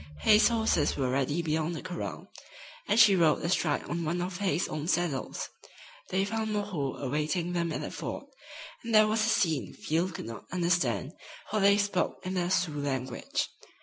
Hay's horses were ready beyond the corral, and she rode astride on one of Hay's own saddles. They found "Moreau" awaiting them at the ford, and there was a scene Field could not understand, for they spoke in the Sioux language.